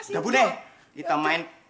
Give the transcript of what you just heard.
dah bu nek kita main